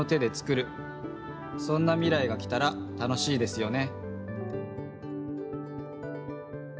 そんな未来が来たら楽しいですよね。